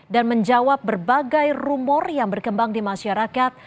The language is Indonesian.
dan menjawab berbagai rumor yang berkembang di masyarakat